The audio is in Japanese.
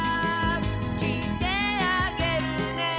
「きいてあげるね」